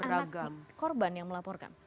jadi anak korban yang melaporkan